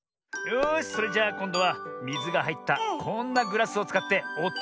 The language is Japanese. よしそれじゃあこんどはみずがはいったこんなグラスをつかっておとをだしてみよう。